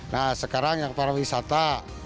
nah sekarang yang para wisata